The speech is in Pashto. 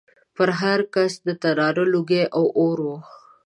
پر هر کڅ د تناره لوګی او اور و